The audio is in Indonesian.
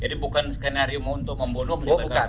jadi bukan skenario untuk membunuh